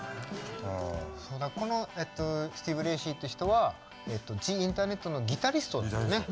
このスティーヴ・レイシーって人はジ・インターネットのギタリストですね。